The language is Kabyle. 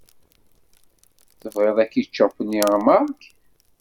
Tebɣiḍ akičup-nni a Marc?